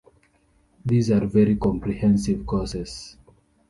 These are very comprehensive courses.